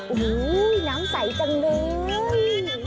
โอ้โหน้ำใสจังเลย